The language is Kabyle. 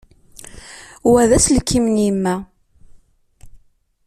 Wa d aselkim n yemma.